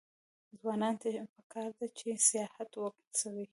ځوانانو ته پکار ده چې، سیاحت هڅوي.